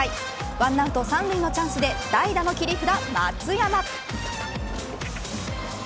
１アウト３塁のチャンスで代打の切り札、松山。